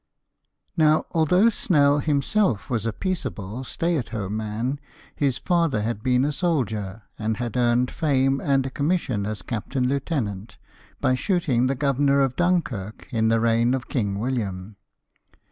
Now although Snell himself was a peaceable, stay at home man, his father had been a soldier, and had earned fame and a commission as captain lieutenant, by shooting the Governor of Dunkirk in the reign of King William.